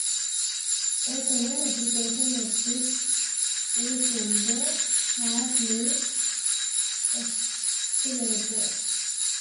A common application of this is in the Hartley oscillator.